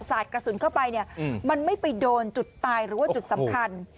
กระสุนเข้าไปเนี่ยมันไม่ไปโดนจุดตายหรือว่าจุดสำคัญ